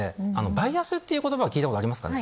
バイアスっていう言葉を聞いたことありますかね。